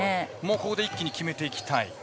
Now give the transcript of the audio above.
ここで一気に決めていきたい。